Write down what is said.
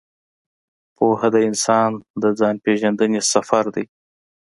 پوهه د انسان د ځان پېژندنې سفر دی.